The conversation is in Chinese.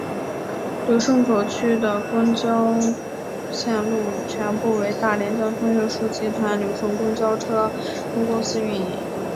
旅顺口区的公交线路全部由大连交通运输集团旅顺公交汽车分公司运营。